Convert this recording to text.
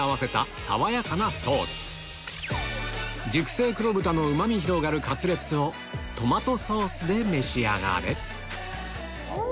熟成黒豚のうま味広がるカツレツをトマトソースで召し上がれお！